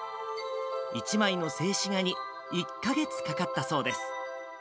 １枚の静止画に１か月かかったそうです。